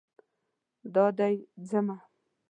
دا دی ځمه